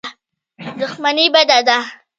دښمني بده ده.